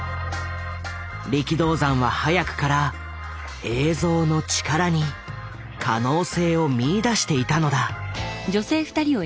力道山は早くから「映像」の力に可能性を見いだしていたのだ。